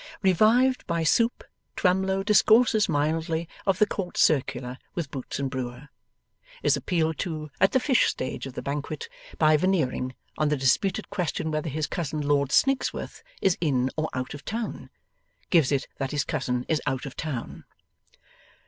Revived by soup, Twemlow discourses mildly of the Court Circular with Boots and Brewer. Is appealed to, at the fish stage of the banquet, by Veneering, on the disputed question whether his cousin Lord Snigsworth is in or out of town? Gives it that his cousin is out of town.